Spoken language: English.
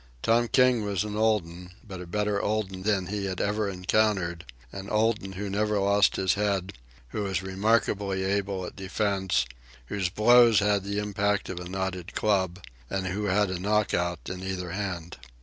Tom King was an old un, but a better old un than he had ever encountered an old un who never lost his head, who was remarkably able at defence, whose blows had the impact of a knotted club, and who had a knockout in either hand.